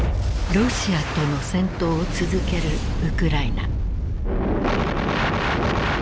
ロシアとの戦闘を続けるウクライナ。